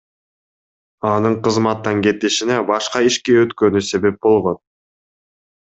Анын кызматтан кетишине башка ишке өткөнү себеп болгон.